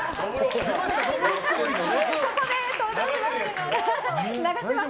ここで登場します！